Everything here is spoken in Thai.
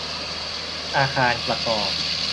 อาคารประกอบ